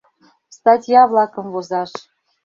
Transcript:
Статья-влакым возаш...